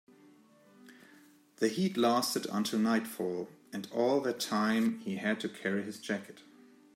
The heat lasted until nightfall, and all that time he had to carry his jacket.